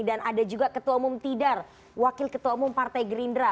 dan ada juga ketua umum tidar wakil ketua umum partai gerindra